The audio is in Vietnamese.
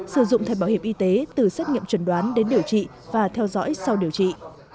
sử dụng thay bảo hiểm y tế từ xét nghiệm chuẩn đoán đến điều trị và theo dõi sau điều trị